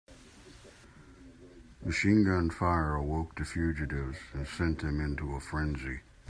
Machine gun fire awoke the fugitives and sent them into a frenzy.